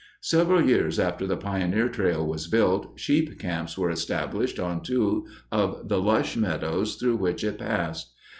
Several years after the pioneer trail was built, sheep camps were established on two of the lush meadows through which it passed.